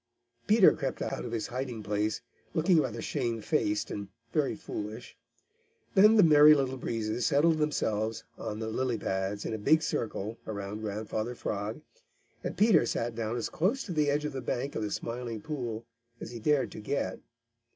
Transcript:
Peter crept out of his hiding place, looking rather shamefaced and very foolish. Then the Merry Little Breezes settled themselves on the lily pads in a big circle around Grandfather Frog, and Peter sat down as close to the edge of the bank of the Smiling Pool as he dared to get.